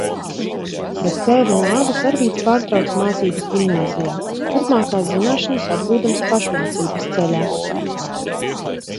Pēc tēva nāves Arvīds pārtrauca mācības ģimnāzijā, turpmākās zināšanas apgūdams pašmācības ceļā.